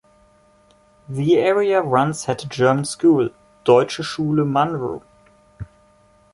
The area once had a German school, Deutsche Schule Munro.